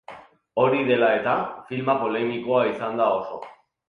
Hori dela eta, filma polemikoa izan da oso.